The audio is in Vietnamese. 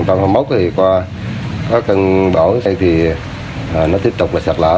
trong năm hai nghìn một mươi một thì qua có cần bỏ xe thì nó tiếp tục là sạt lở